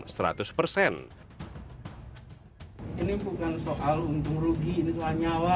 ini bukan soal untung rugi ini soal nyawa